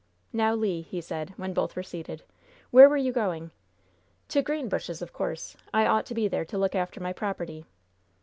"Now, Le," he said, when both were seated, "where were you going?" "To Greenbushes, of course. I ought to be there to look after my property."